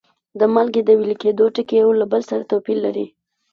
د مالګو د ویلي کیدو ټکي یو له بل سره توپیر لري.